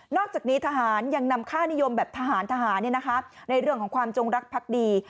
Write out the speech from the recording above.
อกจากนี้ทหารยังนำค่านิยมแบบทหารทหารในเรื่องของความจงรักพักดี